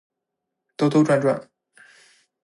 兜兜转转